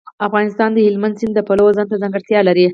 افغانستان د هلمند سیند د پلوه ځانته ځانګړتیا لري.